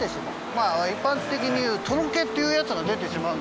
まあ一般的に言うとろけっていうやつが出てしまうんですよ。